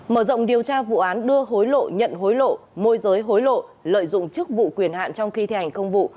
mở rộng điều tra vụ án đưa hối lộ nhận hối lộ môi giới hối lộ lợi dụng chức vụ quyền hạn trong khi thi hành công vụ